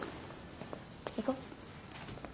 行こ？